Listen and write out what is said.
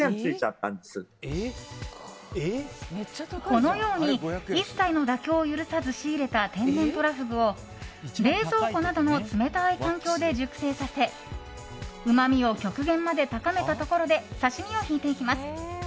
このように一切の妥協を許さず仕入れた天然とらふぐを、冷蔵庫などの冷たい環境で熟成させうまみを極限まで高めたところで刺し身を引いていきます。